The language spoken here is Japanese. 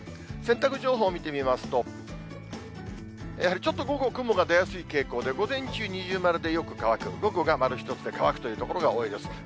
洗濯情報見てみますと、やはりちょっと午後、雲が出やすい傾向で、午前中、二重丸でよく乾く、午後が丸１つで乾くという所が多いです。